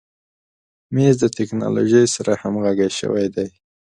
مېز د تکنالوژۍ سره همغږی شوی.